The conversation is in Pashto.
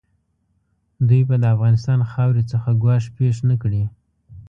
دوی به د افغانستان خاورې څخه ګواښ پېښ نه کړي.